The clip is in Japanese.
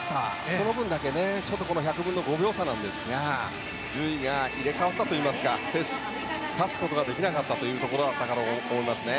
その分だけ１００分の５秒差なんですが順位が入れ替わったといいますか勝つことができなかったところといいますか。